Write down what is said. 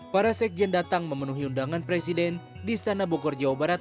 para sekjen datang memenuhi undangan presiden di istana bogor jawa barat